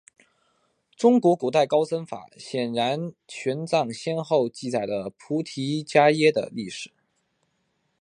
中国古代高僧法显和玄奘先后记载了菩提伽耶的历史。